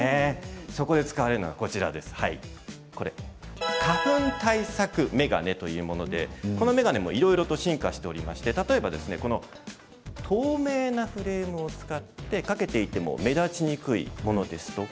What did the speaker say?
そこで使われるのが花粉対策眼鏡というものでこの眼鏡もいろいろと進化していまして、例えば透明なフレームを使って掛けていても目立ちにくいものですとか